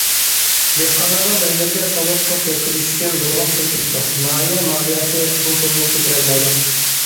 دېھقانلارنىڭ ئۆيلىرىگە تولۇق توك يەتكۈزۈش ئۈچۈن نۇرغۇن پۇل كېتىدۇ، ناھىيە مالىيەسى بۇ پۇلنى كۆتۈرەلمەيدۇ.